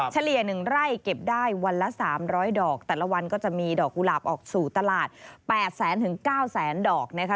เฉลี่ย๑ไร่เก็บได้วันละ๓๐๐ดอกแต่ละวันก็จะมีดอกกุหลาบออกสู่ตลาด๘แสนถึง๙แสนดอกนะคะ